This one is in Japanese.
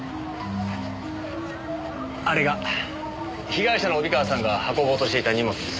あれが被害者の帯川さんが運ぼうとしていた荷物です。